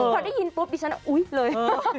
พอได้ยินปุ๊บดิฉันอุ๊ยเลย